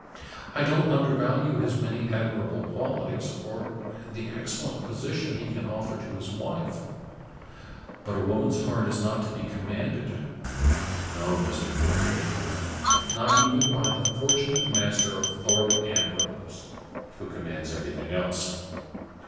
I don't undervalue his many admirable qualities, or the excellent position he can offer to his wife. But a woman's heart is not to be commanded no, Mr. Midwinter, not even by the fortunate master of Thorpe Ambrose, who commands everything else."